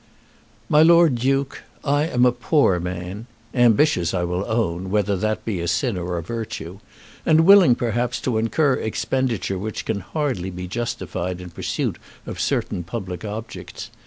My Lord Duke, I am a poor man; ambitious I will own, whether that be a sin or a virtue, and willing, perhaps, to incur expenditure which can hardly be justified in pursuit of certain public objects.